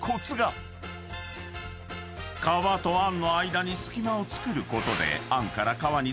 ［皮とあんの間に隙間を作ることで］